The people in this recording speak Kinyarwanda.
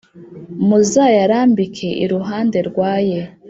muzayarambike iruhande rw aye